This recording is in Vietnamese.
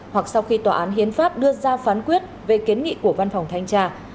hoặc sau khi tòa án hiến pháp đưa ra phán quyết về kiến nghị của văn phòng thanh tra